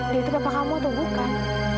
dia itu apa kamu atau bukan